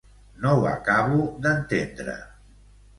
No ho acabo d'entendre.